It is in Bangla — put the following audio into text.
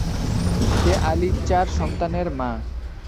সে আলির চার সন্তানের মা।